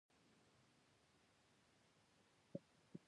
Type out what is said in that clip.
د ښوونځیو او پوهنتونونو اصلي محصلین ځوانان دي.